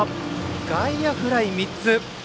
外野フライ３つ。